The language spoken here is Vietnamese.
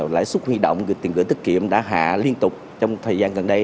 lãi suất huy động tiền gửi tiết kiệm đã hạ liên tục trong thời gian gần đây